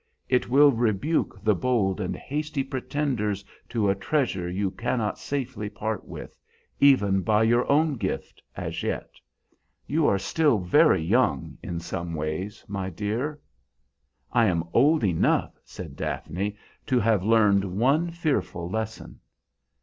It will rebuke the bold and hasty pretenders to a treasure you cannot safely part with, even by your own gift, as yet. You are still very young in some ways, my dear." "I am old enough," said Daphne, "to have learned one fearful lesson."